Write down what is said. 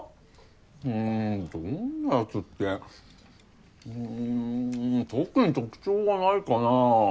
うんどんなヤツってうん特に特徴はないかな。